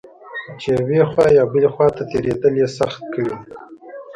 چې یوې خوا یا بلې خوا ته تېرېدل یې سخت کړي و.